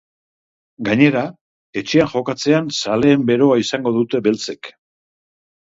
Gainera, etxean jokatzean zaleen beroa izango dute beltzek.